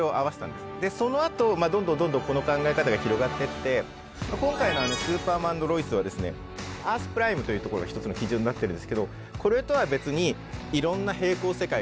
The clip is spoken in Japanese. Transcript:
でそのあとまあどんどんどんどんこの考え方が広がってって今回の「スーパーマン＆ロイス」はですねアースプライムというところが一つの基準になってるんですけどこれとは別にいろんな並行世界があるという考え方になっています。